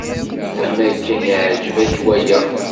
Am akken iɛǧeb-ak waya.